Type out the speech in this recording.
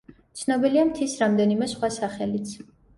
ცნობილია მთის რამდენიმე სხვა სახელიც.